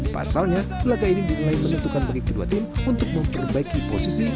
pasalnya laga ini dinilai menentukan bagi kedua tim untuk memperbaiki posisi